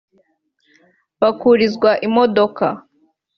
bakurizwa imodoka